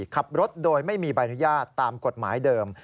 ขับรถโดยไม่มีใบอนุญาตตามกฎหมายเดิม